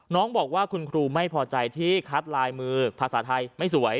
น้องบอกว่าคุณครูไม่พอใจที่คัดลายมือภาษาไทยไม่สวย